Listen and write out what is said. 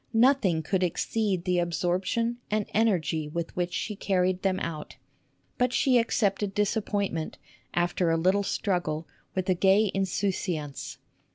Nothing could exceed the absorption and energy with which she carried them out. But she accepted disappointment, after a little struggle, with a gay insouciance.